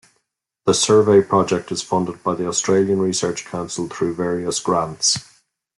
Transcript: The survey project is funded by the Australian Research Council through various grants.